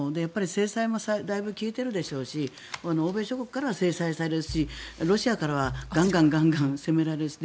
制裁も効いているでしょうし欧米諸国からは制裁されるしロシアからはガンガン責められるし。